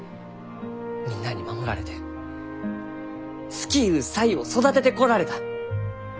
みんなに守られて好きゆう才を育ててこられた。